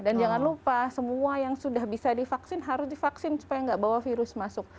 dan jangan lupa semua yang sudah bisa divaksin harus divaksin supaya gak bawa virus masuk ke rumah